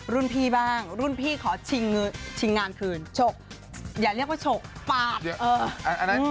รุ่นพี่บ้างรุ่นพี่ขอชิงงานคืนฉกอย่าเรียกว่าฉกปาด